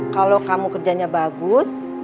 kalau kamu kerjanya bagus